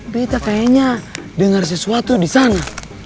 bita kayaknya denger sesuatu disana